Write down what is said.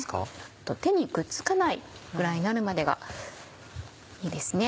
手にくっつかないぐらいになるまでがいいですね。